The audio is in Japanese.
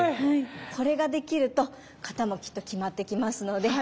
これができると形もきっと決まってきますので。